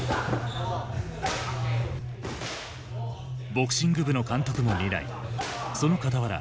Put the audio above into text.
ボクシング部の監督も担いそのかたわら